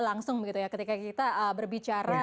langsung begitu ya ketika kita berbicara